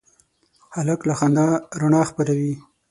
هلک له خندا رڼا خپروي.